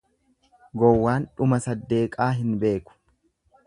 Gowwaan dhuma saddeeqaa hin beeku.